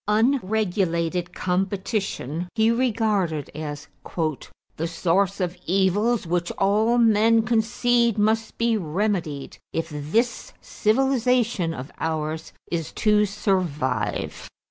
Unregulated competition he regarded as "the source of evils which all men concede must be remedied if this civilization of ours is to survive."